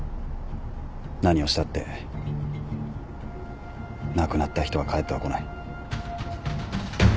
何をしたって亡くなった人は帰ってはこない。